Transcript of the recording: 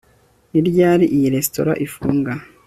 ni ryari iyi resitora ifunga